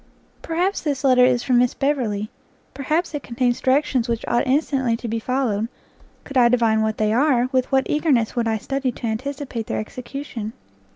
Perhaps this letter is from Miss Beverley, perhaps it contains directions which ought instantly to be followed; could I divine what they are, with what eagerness would I study to anticipate their execution!